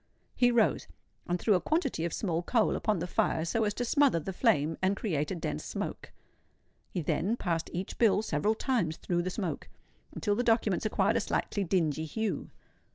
He rose and threw a quantity of small coal upon the fire, so as to smother the flame, and create a dense smoke. He then passed each bill several times through the smoke, until the documents acquired a slightly dingy hue.